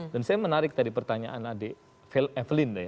dan saya menarik tadi pertanyaan adi evelyne ya